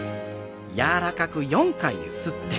柔らかくゆすって。